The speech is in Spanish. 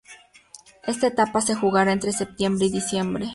Esta etapa se jugará entre septiembre y diciembre.